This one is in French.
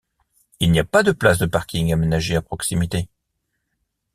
Il n'y a pas de places de parking aménagé à proximité.